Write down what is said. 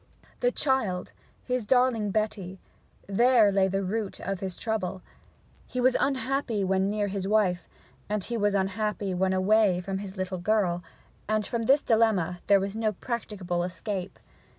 The child, his darling Betty: there lay the root of his trouble. He was unhappy when near his wife, he was unhappy when away from his little girl; and from this dilemma there was no practicable escape.